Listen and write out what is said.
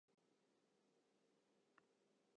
Ja, kom no, dat meitsje ik sels wol út!